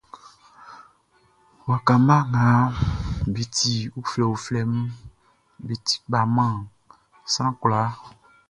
Uwka mma nga be ti uflɛuflɛʼn, be ti kpa man sran kwlaa.